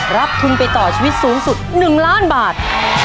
รับทุนไปต่อชีวิตสูงสุด๑ล้านบาท